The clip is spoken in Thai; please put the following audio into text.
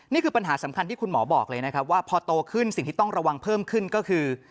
นี่คือปัญหาสำคัญที่คุณหมอบอกเลยนะครับว่าพอโตขึ้นสิ่งที่ต้องระวังเพิ่มขึ้นก็คือ